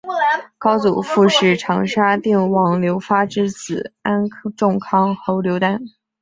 高祖父是长沙定王刘发之子安众康侯刘丹。